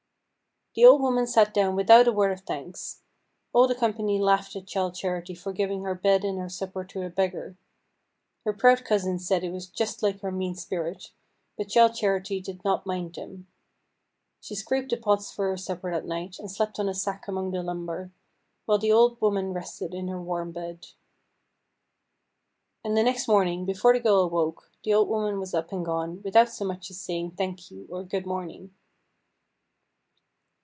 The old woman sat down without a word of thanks. All the company laughed at Childe Charity for giving her bed and her supper to a beggar. Her proud cousins said it was just like her mean spirit, but Childe Charity did not mind them. She scraped the pots for her supper that night and slept on a sack among the lumber, while the old woman rested in her warm bed. And next morning, before the little girl awoke, the old woman was up and gone, without so much as saying "Thank you," or "Good morning."